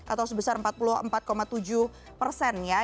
atau sebesar empat puluh empat tujuh juta rupiah